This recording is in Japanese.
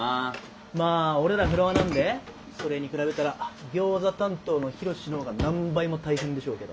まあ俺らフロアなんでそれに比べたらギョーザ担当のヒロシのほうが何倍も大変でしょうけど。